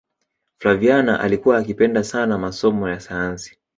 flaviana alikuwa akipenda sana masomo ya sayansi